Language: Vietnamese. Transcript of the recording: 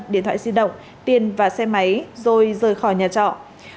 điện thoại di động tiền và xe máy rồi rời khỏi nhà trọ